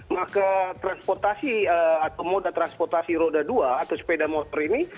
maka transportasi atau moda transportasi roda dua atau sepeda motor ini